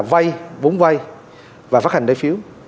vay vốn vay và phát hành đáy phiếu